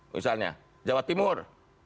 misalnya jawa timur